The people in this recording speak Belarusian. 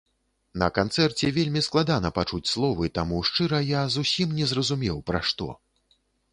На канцэрце вельмі складана пачуць словы, таму шчыра, я зусім не зразумеў, пра што.